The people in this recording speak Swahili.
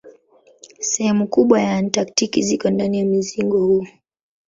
Sehemu kubwa ya Antaktiki ziko ndani ya mzingo huu.